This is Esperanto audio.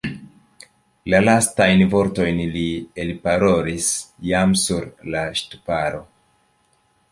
La lastajn vortojn li elparolis jam sur la ŝtuparo.